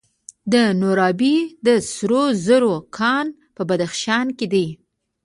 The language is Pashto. د نورابې د سرو زرو کان په بدخشان کې دی.